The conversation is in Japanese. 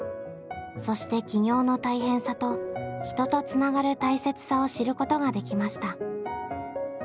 そして起業の大変さと人とつながる大切さを知ることができました。